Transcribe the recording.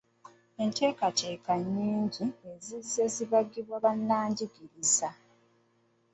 Enteekateeka nnyingi ezizze zibagibwa bannabyanjigiriza.